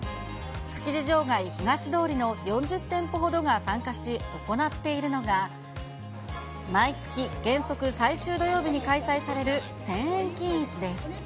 築地場外東通りの４０店舗ほどが参加し、行っているのが、毎月原則最終土曜日に開催される１０００円均一です。